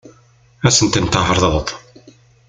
Ad sent-tent-tɛeṛḍeḍ?